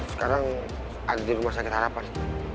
sekarang ada di rumah sakit harapan